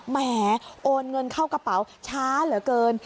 แหมโอนเงินเข้ากระเป๋าช้าเหลือเกิน